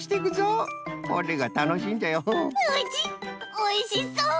おいしそう！